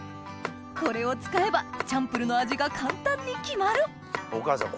これを使えばチャンプルーの味が簡単に決まるお母さん